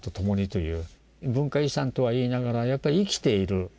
文化遺産とは言いながらやっぱり生きている。